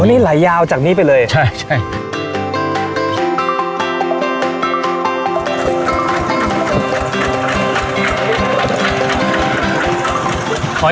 โอ้นี่ลายยาวจากนี้ไปเลยใช่ใช่